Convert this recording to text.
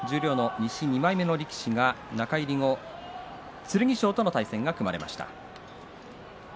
西２枚目の力士ですが中入り後、剣翔との対戦が組まれています。